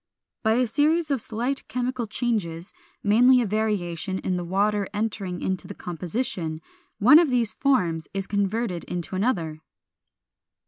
By a series of slight chemical changes (mainly a variation in the water entering into the composition), one of these forms is converted into another.